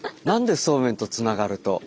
なんでそうめんとつながると。